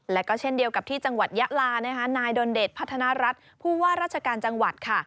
และก็เช่นเดียวกับที่จังหวัดยะลานะคะนายดนเดชพัฒนารัฐผู้ว่าราชการจังหวัดค่ะ